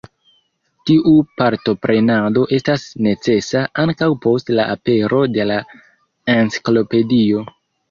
Tiu partoprenado estas necesa ankaŭ post la apero de la Enciklopedio.